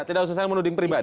tidak usah menuding pribadi